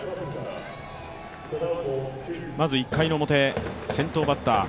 まず１回表、先頭バッター。